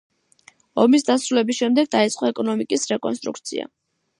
ომის დასრულების შემდეგ დაიწყო ეკონომიკის რეკონსტრუქცია.